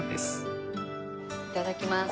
いただきます。